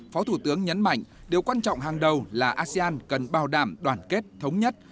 phó thủ tướng nhấn mạnh điều quan trọng hàng đầu là asean cần bảo đảm đoàn kết thống nhất